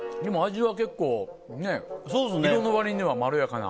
でも味は結構色の割にはまろやかな。